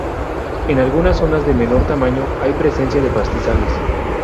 En algunas zonas de menor tamaño hay presencia de pastizales.